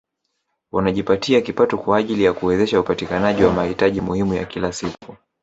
Wanajipatia kipato kwa ajili ya kuwezesha upatikanaji wa mahitaji muhimu ya kila siku